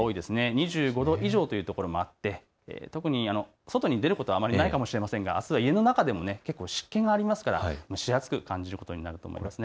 ２５度以上というところもあって特に外に出ることはあまりないかもしれませんが家の中でも結構、湿気がありますから、蒸し暑く感じることになると思います。